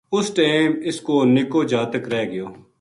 اس ٹیم اس کو نِکو جاتک رہ گیو